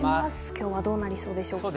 今日はどうなりそうでしょうか？